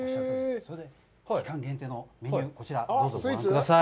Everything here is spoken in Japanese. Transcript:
期間限定のメニュー、こちら、どうぞ、ご覧ください。